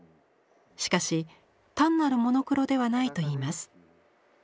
しかし単なるモノクロではないといいます。